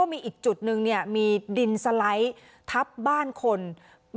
มีอีกจุดนึงมีดินสลั๊ยทับอ้ายของคนตาม